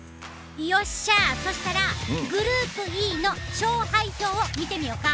よっしゃ、そしたらグループＥの勝敗表を見てみよか。